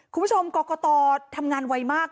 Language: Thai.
คุณผู้ชมกรกตทำงานไวมาก